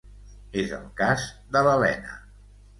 És el cas de l'Elena.